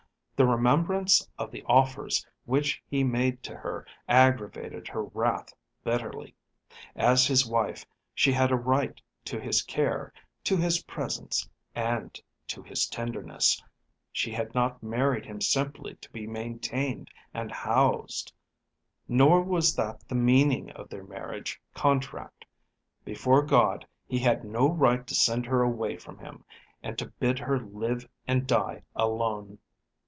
The remembrance of the offers which he made to her aggravated her wrath bitterly. As his wife she had a right to his care, to his presence, and to his tenderness. She had not married him simply to be maintained and housed. Nor was that the meaning of their marriage contract. Before God he had no right to send her away from him, and to bid her live and die alone.